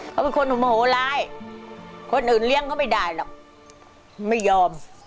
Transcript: เขาเป็นคนโมโหร้ายคนอื่นเลี้ยงเขาไม่ได้หรอกไม่ยอม